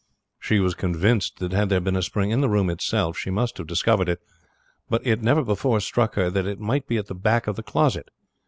She was convinced that had there been a spring in the room itself she must have discovered it, but it never before struck her that it might be at the back of the closet.